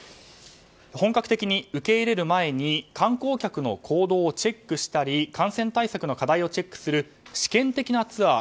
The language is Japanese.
本格的に受け入れる前に観光客の行動をチェックしたり感染対策の課題をチェックする試験的なツアー